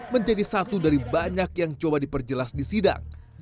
menjadi satu dari banyak yang coba diperjelas di sidang